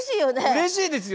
うれしいですよ。